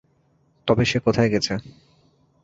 তবে সে কোথায় গেছে।